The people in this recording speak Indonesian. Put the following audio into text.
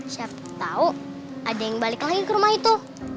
siapa tahu ada yang balik lagi ke rumah itu